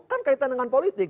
kan kaitan dengan politik